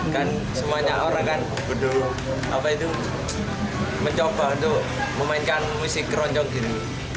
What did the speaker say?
kan semuanya orang kan mencoba untuk memainkan musik keroncong gini